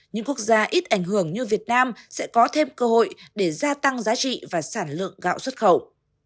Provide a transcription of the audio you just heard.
những quốc gia ít ảnh hưởng như việt nam sẽ có thêm cơ hội để gia tăng giá trị và sản lượng gạo xuất khẩu